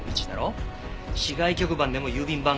市外局番でも郵便番号でもない。